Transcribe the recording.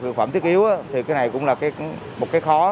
thực phẩm thiết yếu thì cái này cũng là một cái khó